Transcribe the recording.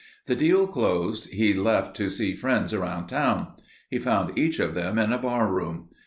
The deal closed, he left to see friends around town. He found each of them in a barroom.